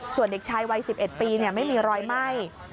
ส่วนเด็กชายวัย๑๑ปีไม่มีรอยไหม้